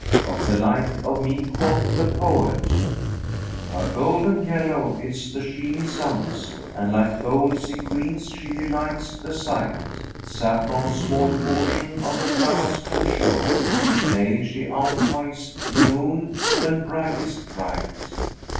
Of the like of me quoth the poet, 'Her golden yellow is the sheeny sun's; * And like gold sequins she delights the sight: Saffron small portion of her glance can show; * Nay,[FN#378] she outvies the moon when brightest bright.'